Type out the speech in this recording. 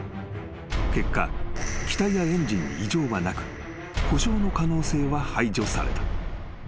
［結果機体やエンジンに異常はなく故障の可能性は排除された］